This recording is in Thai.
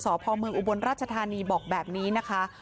สพเมืองอุบลราชธานีบอกแบบนี้นะคะ